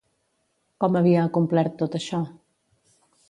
Com havia acomplert tot això?